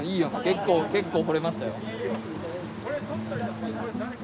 結構結構掘れましたよ。